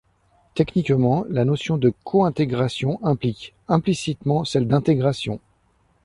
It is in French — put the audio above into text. Techniquement, la notion de cointégration implique implicitement celle d'intégration.